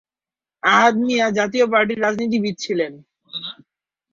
আহাদ মিয়া জাতীয় পার্টির রাজনীতিবিদ ছিলেন।